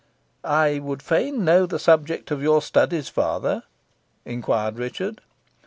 "I would fain know the subject of your studies, father?" inquired Richard.